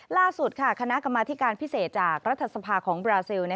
ล่าสุดคณะกรรมธิการพิเศษจากรัฐสภาของบราซิล